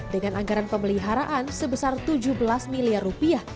dengan anggaran pemeliharaan sebesar tujuh belas miliar rupiah